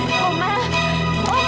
yang mencerakai saya